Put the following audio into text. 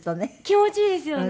気持ちいいですよね。